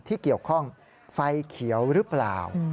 ที่เกี่ยวข้องไฟเขียวหรือเปล่า